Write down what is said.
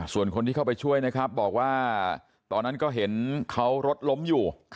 ส่วนคนที่เข้าไปช่วยนะครับบอกว่าตอนนั้นก็เห็นเขารถล้มอยู่